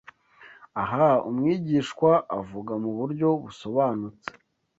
Aha umwigishwa avuga mu buryo busobanutse